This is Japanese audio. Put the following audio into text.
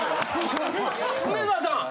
梅沢さん